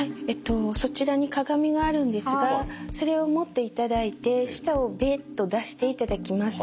そちらに鏡があるんですがそれを持っていただいて舌をベッと出していただきます。